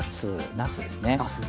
なすですねはい。